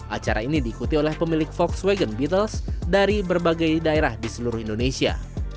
acara ini diikuti oleh pemilik volkswagen beatles dari berbagai daerah di seluruh indonesia